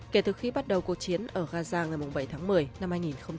kể từ khi bắt đầu cuộc chiến ở gaza ngày bảy tháng một mươi năm hai nghìn một mươi ba